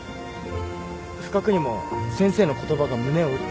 不覚にも先生の言葉が胸を打った。